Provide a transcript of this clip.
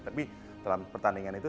tapi dalam pertandingan itu